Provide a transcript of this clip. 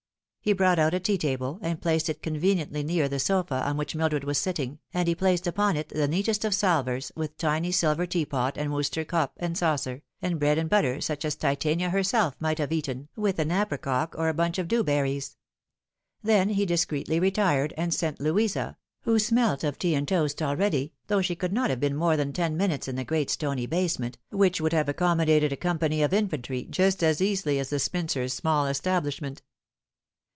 He brought out a tea table, and placed it conveniently near the sofa on which Mildred was sitting, and he placed upon it the neatest of salvers, with tiny silver teapot and Worcester cup and saucer, md bread and butter such as Titauia herself might have eatea No Ughx. 165 with an "apricock" or a bunch of dewberries. Then he discreetly retired, and sent Louisa, who smelt of tea and toast already, though she could not have been more than ten minutes in the great stony basement, which would have accommodated a company of infantry just as easily as the spinster's small establishment.